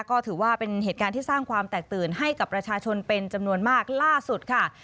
ก็ถือว่าเป็นเหตุการณ์ที่สร้างความแตกตื่นให้กับประชาชนเป็นจำนวนมากล่าสุดค่ะ